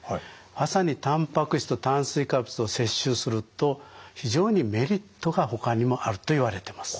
朝にたんぱく質と炭水化物を摂取すると非常にメリットがほかにもあるといわれてます。